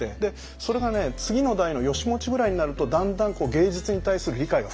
それがね次の代の義持ぐらいになるとだんだん芸術に対する理解が深まるんですよ。